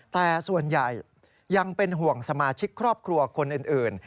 แต่ส่วนใหญ่ยังเป็นห่วงสมาชิกครอบครัวคนอื่น